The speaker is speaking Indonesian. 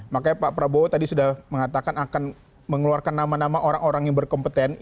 makanya pak prabowo tadi sudah mengatakan akan mengeluarkan nama nama orang orang yang berkompetensi